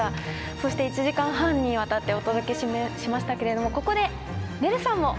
そして１時間半にわたってお届けしましたけれどもここでねるさんも戻ってきてくれました。